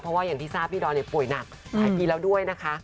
เพราะว่าอย่างที่ทราบพี่ดอนป่วยหนักหลายปีแล้วด้วยนะคะ